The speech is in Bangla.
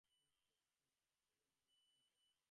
কিন্তু আপনি করে বলছেন কেন?